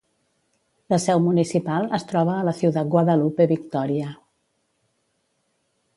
La seu municipal es troba a la Ciudad Guadalupe Victoria.